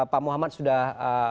pak muhammad sudah